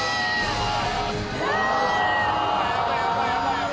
うわ！